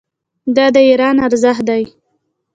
دا د ایران ارزښت دی.